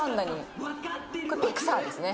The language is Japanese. ピクサーですね。